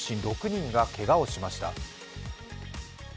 ６人がけがをしました。